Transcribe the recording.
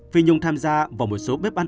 phi nhung tham gia vào một số bếp ăn